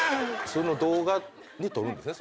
動画に撮るんですね。